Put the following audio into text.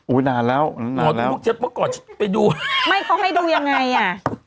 อุ้ยนานแล้วนานแล้วหมอดูลูกเจฟเมื่อก่อนไปดูไม่เขาให้ดูยังไงอ่ะ